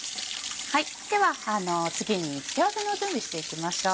では次に付け合わせの準備していきましょう。